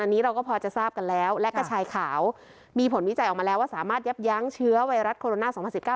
อันนี้เราก็พอจะทราบกันแล้วและกระชายขาวมีผลวิจัยออกมาแล้วว่าสามารถยับยั้งเชื้อไวรัสโคโรนาสองพันสิบเก้า